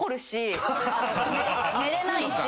寝れないし。